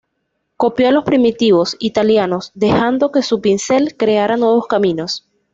Copió a los 'primitivos' italianos, dejando que su pincel creara nuevos caminos.